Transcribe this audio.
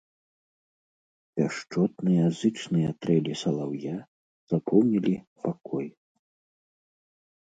Пяшчотныя, зычныя трэлі салаўя запоўнілі пакой.